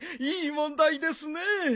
いい問題ですね。